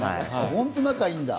本当仲いいんだ？